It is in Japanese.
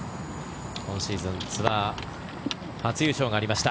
今シーズンツアー初優勝がありました。